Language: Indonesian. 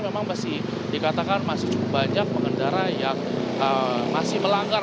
memang masih dikatakan masih cukup banyak pengendara yang masih melanggar